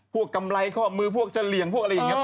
กำไรข้อมือพวกเสลี่ยงพวกอะไรอย่างนี้